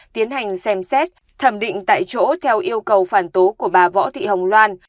tiến hành xem xét thẩm định tại chỗ theo yêu cầu phản tố của bà võ thị hồng loan